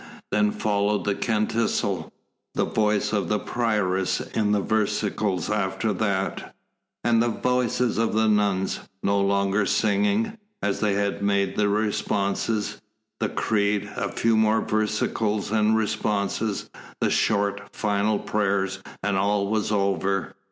Then followed the canticle, the voice of the prioress in the versicles after that, and the voices of the nuns, no longer singing, as they made the responses; the Creed, a few more versicles and responses, the short, final prayers, and all was over.